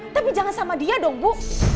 tapi jangan sama dia dong bu